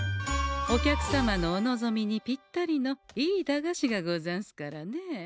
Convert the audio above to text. お客様のお望みにぴったりのいい駄菓子がござんすからね。